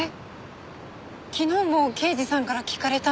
昨日も刑事さんから聞かれたんですけど。